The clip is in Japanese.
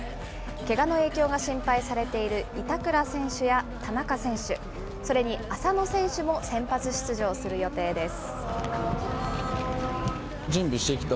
けがの影響が心配されている板倉選手や田中選手、それに浅野選手も先発出場する予定です。